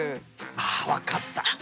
あっ分かった。